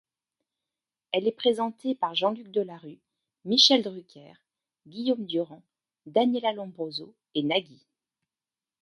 Elle est présentée par Jean-Luc Delarue, Michel Drucker, Guillaume Durand, Daniela Lumbroso et Nagui.